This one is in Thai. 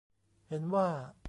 เห็นว่า